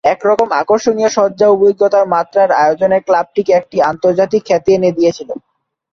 এরকম আকর্ষণীয় সজ্জা ও অভিজ্ঞতার মাত্রার আয়োজন ক্লাবটিকে একটি আন্তর্জাতিক খ্যাতি এনে দিয়েছিলো।